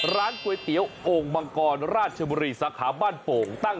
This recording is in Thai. ร้านก๋วยเตี๋ยวโอ่งมังกรราชบุรีสาขาบ้านโป่งตั้ง